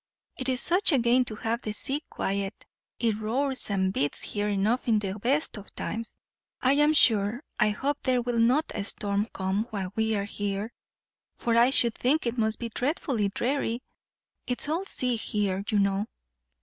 "It is such a gain to have the sea quiet! It roars and beats here enough in the best of times. I am sure I hope there will not a storm come while we are here; for I should think it must be dreadfully dreary. It's all sea here, you know."